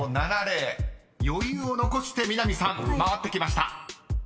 ［余裕を残して南さん回ってきました］